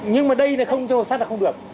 nhưng mà đây là không cho hộp sắt là không được